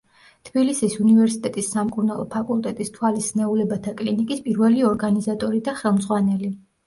თბილისის უნივერსიტეტის სამკურნალო ფაკულტეტის თვალის სნეულებათა კლინიკის პირველი ორგანიზატორი და ხელმძღვანელი.